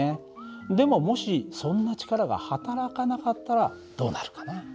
でももしそんな力がはたらかなかったらどうなるかな？